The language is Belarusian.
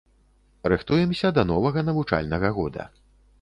Рыхтуемся да новага навучальнага года.